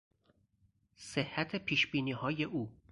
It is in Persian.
صحت پیشبینیهای او